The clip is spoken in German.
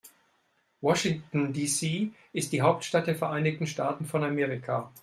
Washington, D.C. ist die Hauptstadt der Vereinigten Staaten von Amerika.